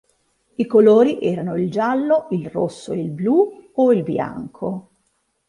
I colori erano il giallo, il rosso e il blu, o il bianco.